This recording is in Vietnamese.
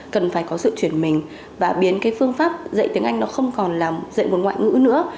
cần phải có sự chuyển mình và biến phương pháp dạy tiếng anh không còn là dạy một ngoại ngữ nữa